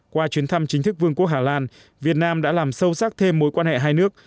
qua chuyến thăm chính thức vương quốc hà lan việt nam đã làm sâu sắc thêm mối quan hệ hai nước